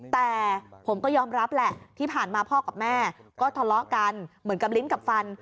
แต่ผมก็ยอมรับแหละที่ผ่านมาพ่อกับแม่ก็ทะเลาะกันเหมือนกับลิ้นกับฟัน